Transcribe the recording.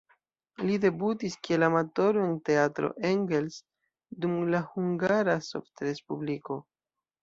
Li debutis kiel amatoro en "Teatro Engels" dum la Hungara Sovetrespubliko.